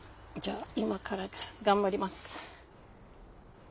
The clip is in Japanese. じゃあ今から頑張ります。